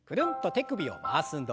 手首を回す運動。